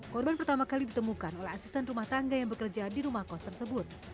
korban pertama kali ditemukan oleh asisten rumah tangga yang bekerja di rumah kos tersebut